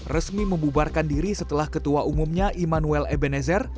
resmi membubarkan diri setelah ketua umumnya immanuel ebenezer